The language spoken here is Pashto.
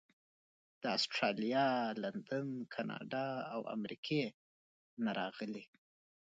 د اسټرالیا، لندن، کاناډا او امریکې نه راغلي.